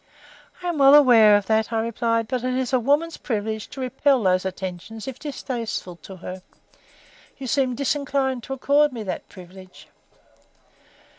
"I am well aware of that," I replied. "But it is a woman's privilege to repel those attentions if distasteful to her. You seem disinclined to accord me that privilege."